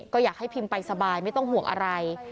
ก็อยากให้พิมพ์ไปสบายไม่ต้องห่วงอะไร